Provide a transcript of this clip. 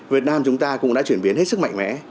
việt nam chúng ta cũng đã chuyển biến hết sức mạnh mẽ